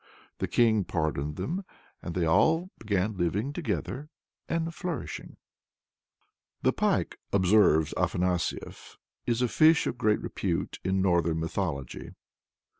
The King pardoned them, and they all began living together and flourishing. "The Pike," observes Afanasief, "is a fish of great repute in northern mythology."